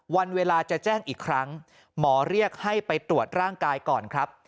วันเวลาจะแจ้งอีกครั้งหมอเรียกให้ไปตรวจร่างกายก่อนครับ